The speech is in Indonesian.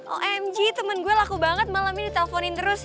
omg temen gue laku banget malam ini diteleponin terus